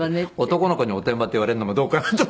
男の子におてんばって言われるのもどうかなと。